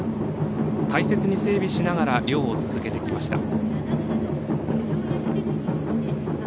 大切に整備しながら漁を続けてきました。